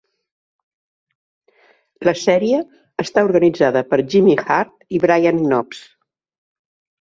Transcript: La sèrie està organitzada per Jimmy Hart i Brian Knobs.